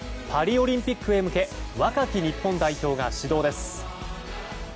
パリオリンピックへ向け若き日本代表が始動です。